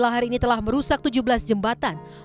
dua hari ini telah merusak tujuh belas jembatan